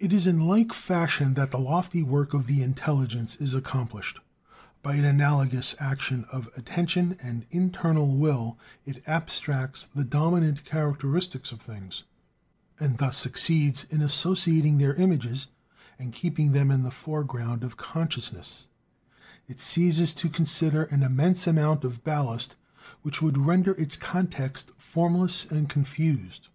It is in like fashion that the lofty work of the intelligence is accomplished; by an analogous action of attention and internal will, it abstracts the dominant characteristics of things, and thus succeeds in associating their images, and keeping them in the foreground of consciousness. It ceases to consider an immense amount of ballast which would render its context formless and confused.